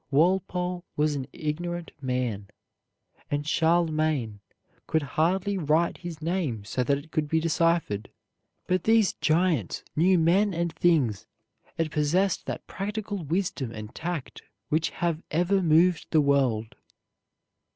Walpole was an ignorant man, and Charlemagne could hardly write his name so that it could be deciphered; but these giants knew men and things, and possessed that practical wisdom and tact which have ever moved the world.